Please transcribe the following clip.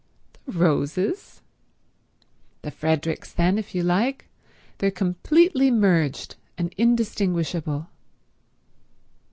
"The Roses?" "The Fredericks, then, if you like. They're completely merged and indistinguishable."